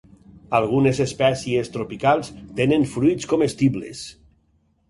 Algunes espècies tropicals tenen fruits comestibles.